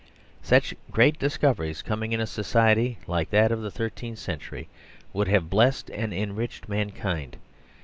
Such great discoveries coming in a society like that of the thirteenth century 73 THE SERVILE STATE would have blest and enriched mankind.